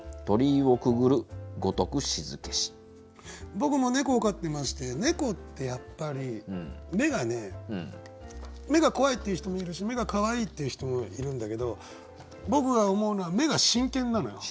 僕も猫を飼ってまして猫ってやっぱり目がね目が怖いっていう人もいるし目がかわいいっていう人もいるんだけど僕が思うのは目が真剣なのよ。